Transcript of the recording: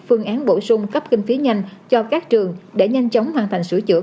phương án bổ sung cấp kinh phí nhanh cho các trường để nhanh chóng hoàn thành sửa chữa